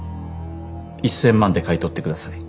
１，０００万で買い取ってください。